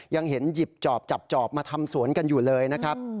ยังเห็นหยิบจอบจับจอบมาทำสวนกันอยู่เลยนะครับ